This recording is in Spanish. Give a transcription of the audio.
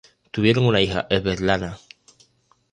Tuvieron una hija, Svetlana.